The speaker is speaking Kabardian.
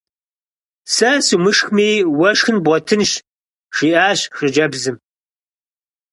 Сэ сумышхми уэ шхын бгъуэтынщ! – жиӀащ хъыджэбзым.